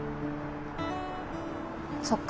そっか。